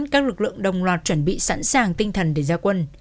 các lực lượng đồng loạt chuẩn bị sẵn sàng tinh thần để ra quân